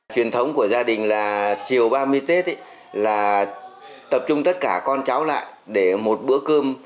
truyền thống của gia đình là chiều ba mươi tết là tập trung tất cả con cháu lại để một bữa cơm